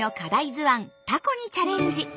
図案「タコ」にチャレンジ！